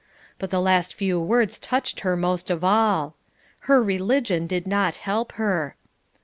But the last few words touched her most of all. "Her religion did not help her."